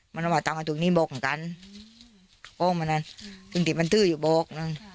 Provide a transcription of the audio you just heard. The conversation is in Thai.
มันต้องมาตรงนี้โบกของกันโป้งมานั่นตรงที่มันถืออยู่โบก